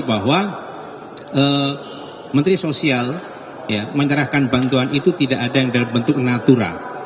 bahwa menteri sosial menyerahkan bantuan itu tidak ada yang dalam bentuk natura